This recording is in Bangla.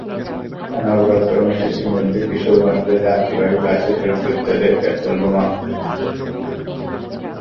টানা অবরোধ কর্মসূচির মধ্যে কিশোরগঞ্জে যাত্রীবাহী বাসে দুর্বৃত্তদের পেট্রলবোমা হামলায় দুজন দগ্ধ হয়েছেন।